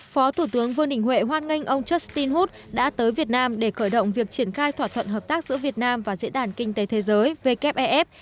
phó thủ tướng vương đình huệ hoan nghênh ông justin hud đã tới việt nam để khởi động việc triển khai thỏa thuận hợp tác giữa việt nam và diễn đàn kinh tế thế giới wef